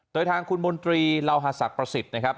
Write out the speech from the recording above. โดยทางคุณมนตรีลาวหาศักดิ์ประสิทธิ์นะครับ